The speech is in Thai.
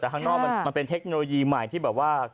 แต่ข้างนอกมันเป็นเทคโนโลยีใหม่ที่แบบว่า